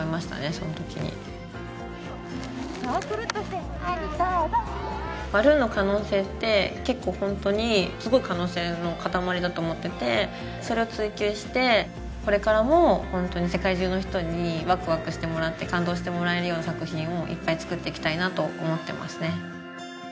そのときにさあくるっとしてはいできたバルーンの可能性って結構ホントにすごい可能性の塊だと思っててそれを追求してこれからもホントに世界中の人にワクワクしてもらって感動してもらえるような作品をいっぱい作っていきたいなと思ってますね